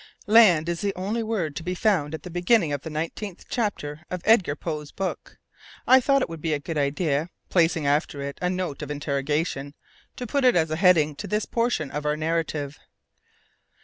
"Land" is the only word to be found at the beginning of the nineteenth chapter of Edgar Poe's book. I thought it would be a good idea placing after it a note of interrogation to put it as a heading to this portion of our narrative.